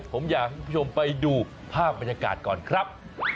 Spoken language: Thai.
ผมอยากให้คุณผู้ชมไปดูภาพบรรยากาศก่อนครับ